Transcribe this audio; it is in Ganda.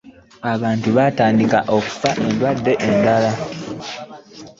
abantu baatandika okufa endwadde endala.